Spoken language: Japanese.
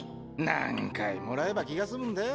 何回もらえば気が済むんだよ。